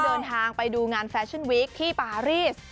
เดินทางไปดูงานแฟชั่นวีคที่ปารีส